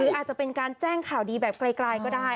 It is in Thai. อาจจะเป็นการแจ้งข่าวดีแบบไกลก็ได้